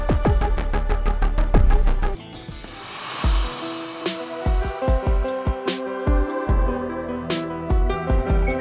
dari anjuran dekat